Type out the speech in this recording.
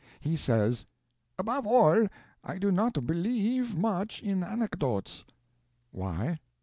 He says, "Above all, I do not believe much in anecdotes." Why?